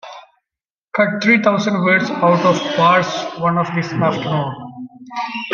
Cut three thousand words out of Part One this afternoon.